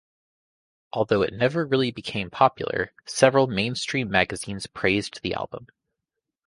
Although it never really became popular, several mainstream magazines praised the album.